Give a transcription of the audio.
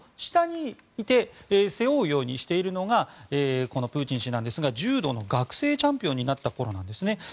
下にいて背負うようにしているのがプーチン氏なんですが柔道の学生チャンピオンになった頃なんですね。